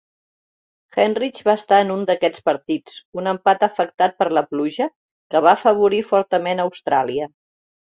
Enright va estar en un d'aquests partits, un empat afectat per la pluja que va afavorir fortament a Austràlia.